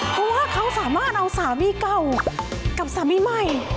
เพราะว่าเขาสามารถเอาสามีเก่ากับสามีใหม่